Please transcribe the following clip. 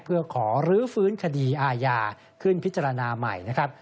เพื่อขอรื้อฟื้นคดีอาญาขึ้นพิจารณาใหม่นะครับ